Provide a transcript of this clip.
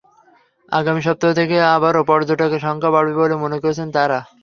আগামী সপ্তাহ থেকে আবারও পর্যটকের সংখ্যা বাড়বে বলে মনে করছেন তাঁরা।